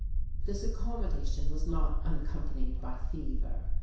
This "accommodation" was not unaccompanied by fever.